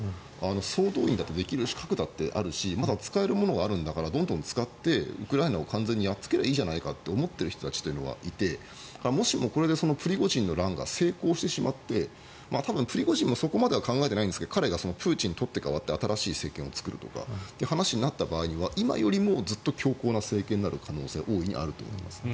総動員だってできる核だってあるし使えるものがあるんだから使ってウクライナを完全にやっつければいいじゃないかと思ってる人がいてもしもこれでプリゴジンの乱が成功してしまって多分、プリゴジンもそこまでは考えてないんですが彼がプーチンに取って代わって新しい政権を作るという話になった場合は今よりもずっと強硬な政権になる可能性はあると思います。